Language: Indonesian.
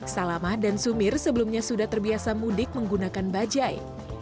salamah dan sumir sebelumnya sudah terbiasa mudik menggunakan bajai